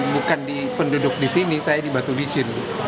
penduduk di sini saya di batu bicin